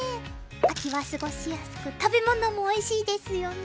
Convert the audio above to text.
秋は過ごしやすく食べ物もおいしいですよね。